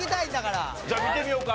じゃあ見てみようか。